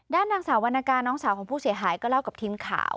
ด้านนางสาววรรณกาน้องสาวของผู้เสียหายก็เล่ากับทีมข่าว